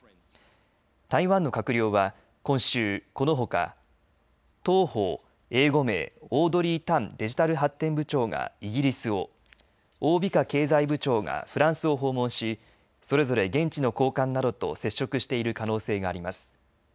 台湾の閣僚は今週このほか唐鳳、英語名オードリー・タンデジタル発展部長がイギリスを王美花経済部長がフランスを訪問しそれぞれ現地の高官などと接触している可能性があります。